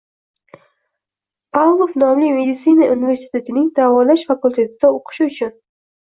Pavlov nomli meditsina universitetining davolash fakul’tetida o‘qishi uchun